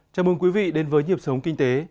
chào mừng quý vị đến với nhịp sống kinh tế